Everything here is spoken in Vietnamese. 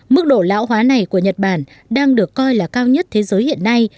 mức độ lão hóa này của nhật bản đang được coi là cao nhất thế giới hiện nay